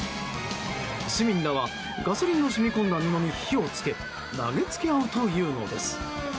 市民らは、ガソリンの染み込んだ布に火を付け投げつけ合うというのです。